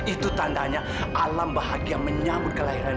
itu tandanya alam bahagia menyambut kelahiran